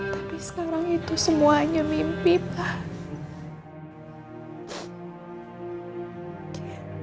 tapi sekarang itu semuanya mimpi pak